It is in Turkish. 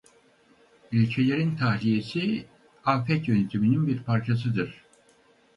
İlçelerin tahliyesi afet yönetiminin bir parçasıdır.